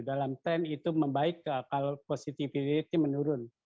dalam trend itu membaik kalau positivity ratenya menurun